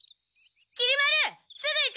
きり丸すぐ行く！